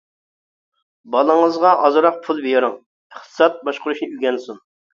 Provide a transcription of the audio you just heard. بالىڭىزغا ئازراق پۇل بېرىڭ، ئىقتىساد باشقۇرۇشنى ئۆگەنسۇن.